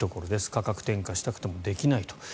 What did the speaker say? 価格転嫁したくてもできないと。